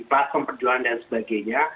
platform perjuangan dan sebagainya